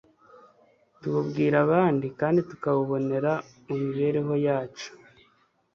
tuwubwira abandi kandi bakawubonera mu mibereho yacu